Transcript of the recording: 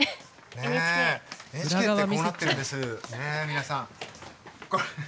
皆さん。